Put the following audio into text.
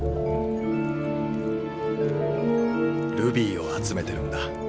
ルビーを集めてるんだ。